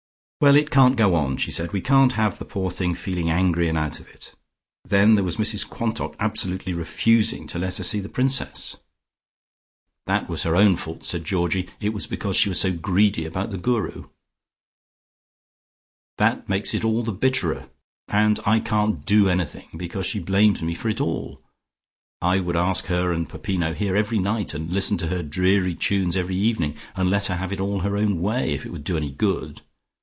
"Well, it can't go on," she said. "We can't have the poor thing feeling angry and out of it. Then there was Mrs Quantock absolutely refusing to let her see the Princess." "That was her own fault," said Georgie. "It was because she was so greedy about the Guru." "That makes it all the bitterer. And I can't do anything, because she blames me for it all. I would ask her and her Peppino here every night, and listen to her dreary tunes every evening, and let her have it all her own way, if it would do any good.